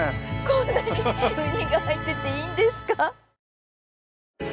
こんなにウニが入ってていいんですか？